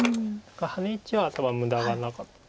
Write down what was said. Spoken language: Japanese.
ハネイチは多分無駄がなかった。